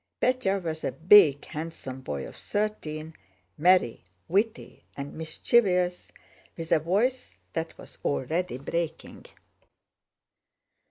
Pétya was a big handsome boy of thirteen, merry, witty, and mischievous, with a voice that was already breaking.